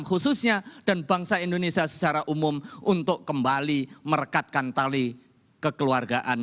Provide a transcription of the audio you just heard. khususnya dan bangsa indonesia secara umum untuk kembali merekatkan tali kekeluargaan